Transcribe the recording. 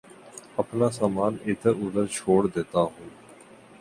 اپنا سامان ادھر ادھر چھوڑ دیتا ہوں